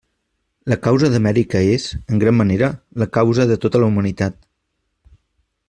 La causa d'Amèrica és, en gran manera, la causa de tota la humanitat.